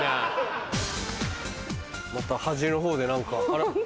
また端の方で何かあら？